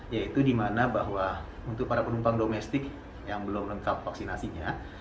yaitu di mana bahwa untuk para penumpang domestik yang belum lengkap vaksinasinya